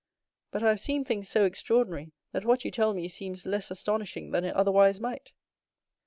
But I have seen things so extraordinary, that what you tell me seems less astonishing than it otherwise might."